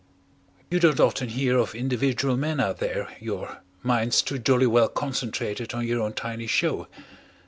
"You don't often hear of individual men out there your mind's too jolly well concentrated on your own tiny show.